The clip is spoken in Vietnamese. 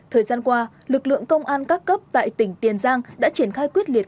thời gian qua lực lượng công an các cấp tại tỉnh tiền giang đã triển khai quyết liệt